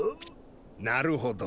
なるほど。